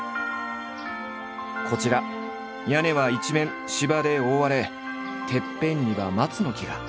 こちら屋根は一面芝で覆われてっぺんには松の木が。